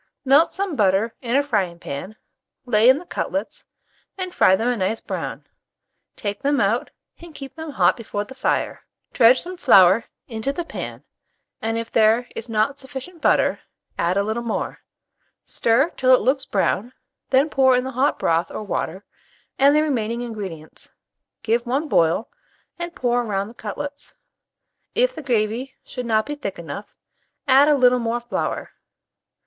Melt some butter in a frying pan, lay in the cutlets, and fry them a nice brown; take them, out, and keep them hot before the fire. Dredge some flour into the pan, and if there is not sufficient butter, add a little more; stir till it looks brown, then pour in the hot broth or water, and the remaining ingredients; give one boil, and pour round the cutlets. If the gravy should not be thick enough, add a little more flour.